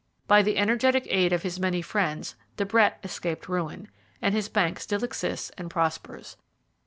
By the energetic aid of his many friends De Brett escaped ruin, and his bank still exists and prospers.